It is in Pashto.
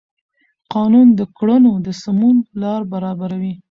قانون د کړنو د سمون لار برابروي.